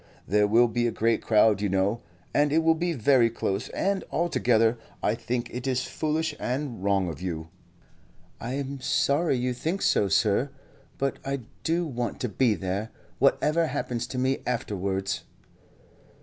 There will be a great crowd, you know, and it will be very close, and altogether I think it is foolish and wrong of you." "I am sorry you think so, sir; but I do want to be there, whatever happens to me afterwards."